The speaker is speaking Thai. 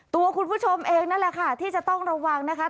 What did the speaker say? ตัวคุณผู้ชมเองนั่นแหละค่ะที่จะต้องระวังนะคะ